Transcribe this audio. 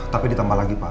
tapi ditambah lagi pak